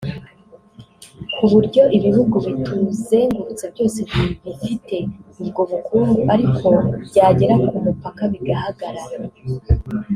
Ku buryo ibihugu bituzengurutse byose bibifite ubwo bukungu ariko byagera ku mupaka bigahagarara